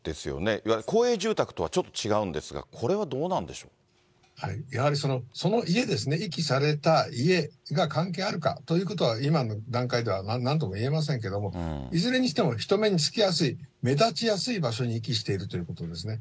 いわゆる公営住宅とはちょっと違うんですが、これはどうなんでしやはりその家ですね、遺棄された家が関係あるかということは、今の段階ではなんとも言えませんけども、いずれにしても人目につきやすい、目立ちやすい場所に遺棄しているということですね。